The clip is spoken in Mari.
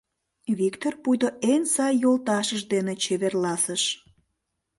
Виктор пуйто эн сай йолташыж дене чеверласыш.